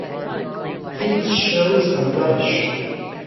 Kid’s shows are rubbish!